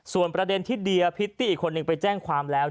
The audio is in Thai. ส่วนประเด็นที่เดียพริตตี้อีกคนนึงไปแจ้งความแล้ว